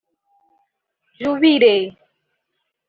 Jubilee